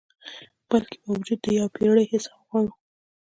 بلکي باوجود د یو پیړۍ حساب غواړو